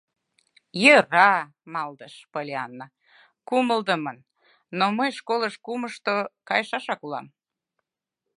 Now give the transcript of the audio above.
— Йӧра, — малдыш Поллианна кумылдымын, — но мый школыш кумышто кайышашак улам.